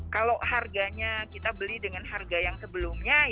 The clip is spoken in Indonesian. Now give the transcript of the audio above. kalau harganya kita beli dengan harga yang sebelumnya